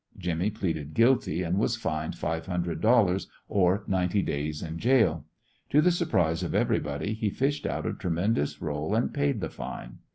Jimmy pleaded guilty, and was fined five hundred dollars or ninety days in jail. To the surprise of everybody he fished out a tremendous roll and paid the fine.